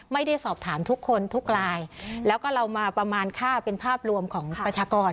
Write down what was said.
ไม่ได้สอบถามทุกคนทุกลายแล้วก็เรามาประมาณค่าเป็นภาพรวมของประชากร